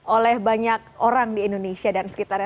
oleh banyak orang di indonesia dan sekitarnya